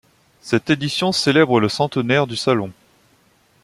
Cette édition célèbre le centenaire du salon.